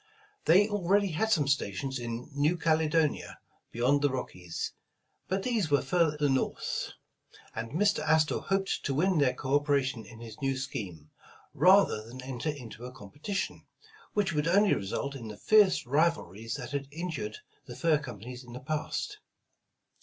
They already had some stations in New Cale donia beyond the Rockies, but these were further North, and Mr. Astor hoped to win their co operation in his new scheme, rather than enter into a competition, which would only result in the fierce rivalries that had injured the fur companies in the past.